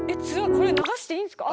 これ流していいんですか？